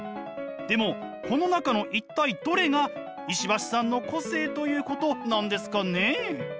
でもこの中の一体どれが石橋さんの個性ということなんですかね？